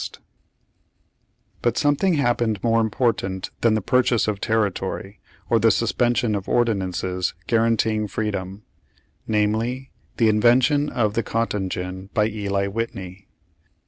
Page Fifteen Page Sixteen But something happened more important than the purchase of territory, or the suspension of ordinances guaranteeing freedom, viz. : the inven tion of the cotton gin by Eli Whitney.